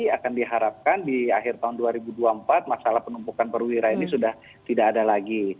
akan diharapkan di akhir tahun dua ribu dua puluh empat masalah penumpukan perwira ini sudah tidak ada lagi